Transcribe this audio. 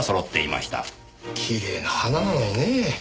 きれいな花なのにねえ。